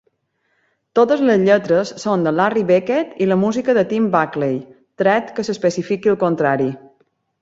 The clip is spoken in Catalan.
Totes les lletres són de Larry Beckett i la música de Tim Buckley, tret que s'especifiqui el contrari.